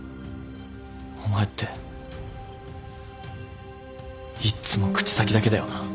お前っていっつも口先だけだよな。